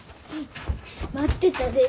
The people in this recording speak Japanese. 待ってたで。